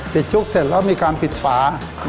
เสร็จและมีการปิดฝา